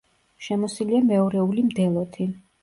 შემოსილია მეორეული მდელოთი.